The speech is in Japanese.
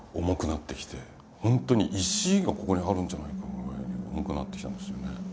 本当に石がここにあるんじゃないかぐらいに重くなってきたんですよね。